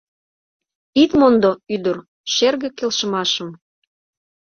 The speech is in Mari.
Ит мондо, ӱдыр, шерге келшымашым.